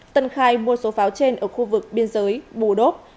tân khai mua số pháo trên ở khu vực biên giới bù đốp